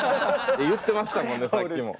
言ってましたもんねさっきも。